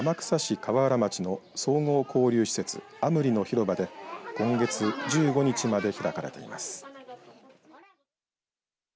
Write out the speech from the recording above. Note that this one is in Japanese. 河浦町の総合交友施設愛夢里の広場で今月１５日まで開かれています。